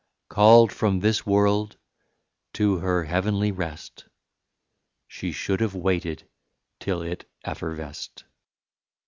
Called from this world to her heavenly rest, She should have waited till it effervesced.